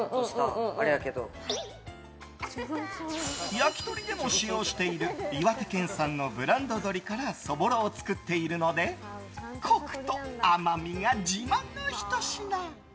焼き鳥でも使用している岩手県産のブランド鶏からそぼろを作っているのでコクと甘みが自慢のひと品。